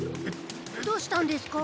どうしたんですか？